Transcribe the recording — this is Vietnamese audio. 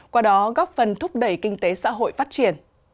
qua đó góp phần thúc đẩy kinh tế xã hội phát triển